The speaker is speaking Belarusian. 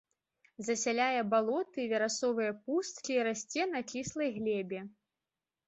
Засяляе балоты, верасовыя пусткі, расце на кіслай глебе.